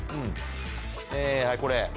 えはいこれ。